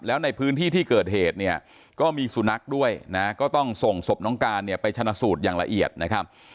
แล้วในพื้นที่ที่เกิดเหตุเนี่ยก็มีสุนัขด้วยนะก็ต้องส่งศพน้องการเนี่ยไปชนะสูตรอย่างละเอียดนะครับ